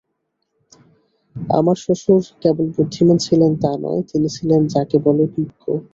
আমার শ্বশুর কেবল বুদ্ধিমান ছিলেন তা নয়, তিনি ছিলেন যাকে বলে বিজ্ঞ।